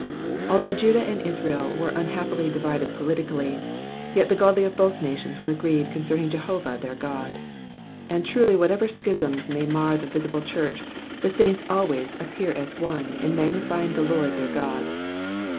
Although Judah and Israel were unhappily divided politically, yet the godly of both nations were agreed concerning Jehovah their God ; and truly whatever schisms may mar the visible church, the saints always '* appear as one in magnifying the Lord their God.